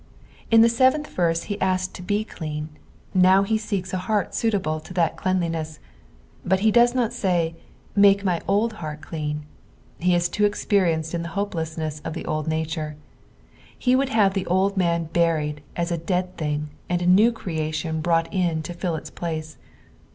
In the seventh verse he asked to be clean ; now he seeks a heart suitable to that cleanliness ; but he docs not say, "Make my old heart clean ;" he is too experienced in the hopelessness of the old nature. He would have the old man buried as a dead thing, and a new creation brought in to fill its place.